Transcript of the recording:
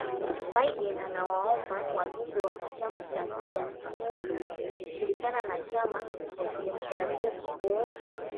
Biden ana waomba wajumbe wa chama cha kijamuhuri kushirikiana na chama cha kidemokrasia kuokoa uchumi